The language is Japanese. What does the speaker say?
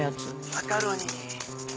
マカロニに。